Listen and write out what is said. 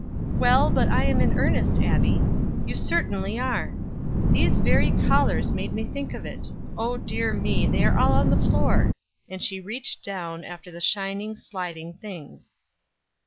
"Well, but I am in earnest, Abbie; you certainly are. These very collars made me think of it. Oh dear me! they are all on the floor." And she reached after the shining, sliding things.